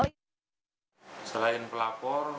selain pelapor kami juga sudah melakukan pelapor